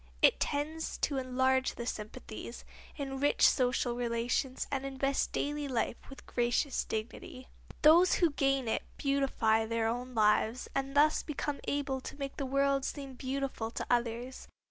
It tends to enlarge the sympathies, enrich social relations and invest daily life with gracious dignity. Those who gain it beautify their own lives and thus become able to make the world seem more beautiful to others.